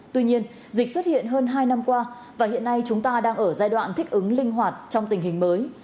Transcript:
tuy nhiên dịch xuất hiện hơn hai năm qua và hiện nay chúng ta đang ở giai đoạn thích ứng linh hoạt trong tình hình mới